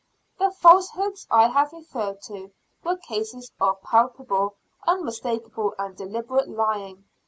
The falsehoods I have referred to were cases of palpable, unmistakable and deliberate lying.